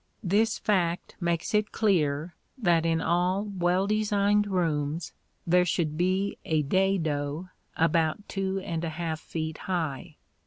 This fact makes it clear that in all well designed rooms there should be a dado about two and a half feet high.